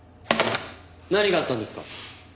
何があったんですか？